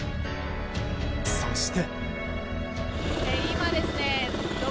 そして。